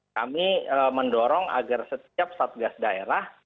kami mendorong agar setiap satgas daerah